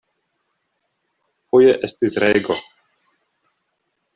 Foje estis rego.